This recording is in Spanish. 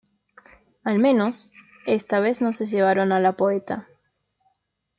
Al menos, esta vez no se llevaron a la poeta.